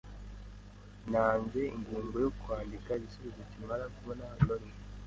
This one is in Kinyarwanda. Ntanze ingingo yo kwandika igisubizo nkimara kubona ibaruwa.